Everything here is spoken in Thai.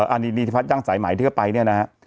อารินิพัฒน์จังสายไหมที่ก็ไปเนี่ยนะ